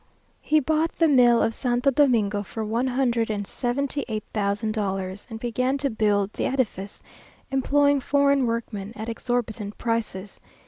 He bought the mill of Santo Domingo for one hundred and seventy eight thousand dollars, and began to build the edifice, employing foreign workmen at exorbitant prices.